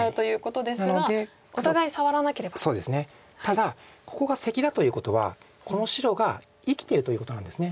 ただここがセキだということはこの白が生きてるということなんです。